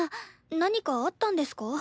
何かあったんですか？